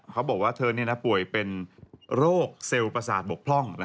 เขาบอกว่าเธอป่วยเป็นโรคเซลล์ประสาทบกพร่อง